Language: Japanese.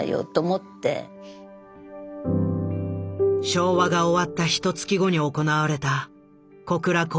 昭和が終わったひと月後に行われた小倉公演。